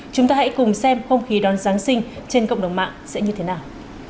chúng ta hãy cùng xem không khí đón giáng sinh trên cộng đồng mạng sẽ như thế nào